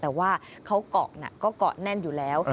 แต่ว่าเขาเกาะก็เกาะแน่นอยู่แล้ว